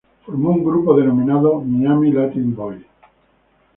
Formó un grupo denominado "Miami Latin Boys".